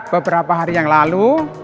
beberapa hari yang lalu